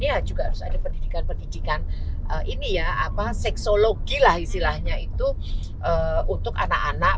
ya juga harus ada pendidikan pendidikan seksologi lah istilahnya itu untuk anak anak